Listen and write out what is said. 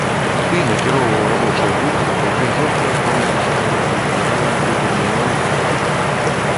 Ты накіроўваў рабочыя групы, якія жорстка распраўляліся з маладымі генераламі культурнай рэвалюцыі!